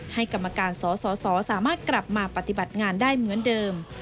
กรรมการสสสามารถกลับมาปฏิบัติงานได้เหมือนเดิม